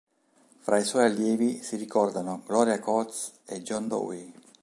Fra i suoi allievi si ricordano, Gloria Coates e John Downey.